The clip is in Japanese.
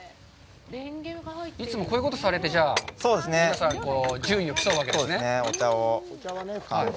いつも、こういうことをされて、皆さん、順位を競うわけですね？